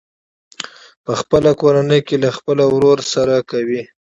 په خپله کورنۍ کې له خپل ورور سره کوي.